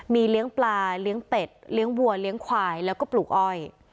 มีเลี้ยงปลาเลี้ยงเป็ดเลี้ยงวัวเลี้ยงควายแล้วก็ปลูกอ้อย